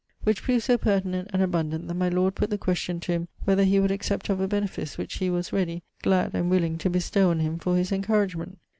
Which proved so pertinent and abundant that my lord put the question to him whether he would accept of a benefice which he was ready, glad, and willing to bestow on him for his encouragement.